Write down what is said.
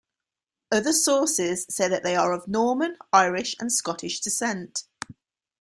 Other sources say that they are of Norman, Irish and Scottish descent.